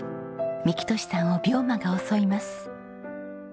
幹寿さんを病魔が襲います。